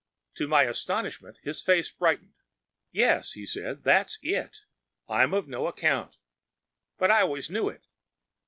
‚ÄĚ To my astonishment, his face brightened. ‚ÄúYes,‚ÄĚ said he, “that’s it!‚ÄĒI‚Äôm of no account! But I always knew it.